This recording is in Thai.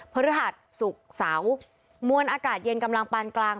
พฤหัสศุกร์เสาร์มวลอากาศเย็นกำลังปานกลาง